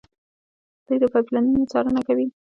دوی د پایپ لاینونو څارنه کوي.